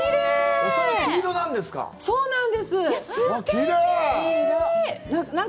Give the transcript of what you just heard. お皿、黄色なんですか。